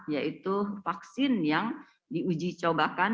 yaitu vaksin yang diuji cobakan